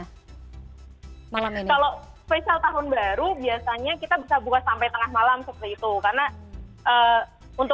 kalau tahun baru biasanya kita bisa buka sampai tengah malam seperti itu